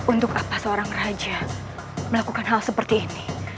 untuk apa seorang raja melakukan hal seperti ini